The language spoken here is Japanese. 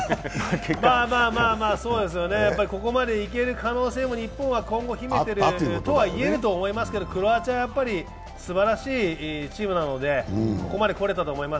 まあまあ、そうですよね、ここまで行ける可能性も日本は今後秘めていると言えると思いますけどクロアチアはやはりすばらしいチームなので、ここまでこれたと思います。